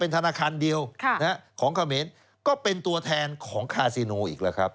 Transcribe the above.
ธนาคารเดียวของเขมรก็เป็นตัวแทนของคาซิโนอีกแล้วครับ